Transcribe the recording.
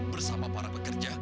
bersama para pekerja